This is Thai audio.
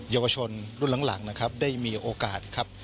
เยาวชนรุ่นหลังนะครับได้มีโอกาสครับ